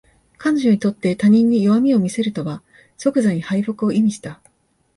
彼女にとって他人に弱みを見せるとは即座に敗北を意味した